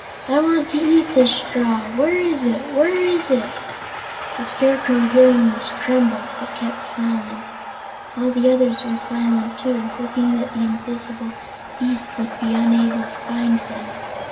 I want to eat this straw! Where is it? Where is it?" The Scarecrow, hearing this, trembled but kept silent. All the others were silent, too, hoping that the invisible beast would be unable to find them.